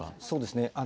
そうですね。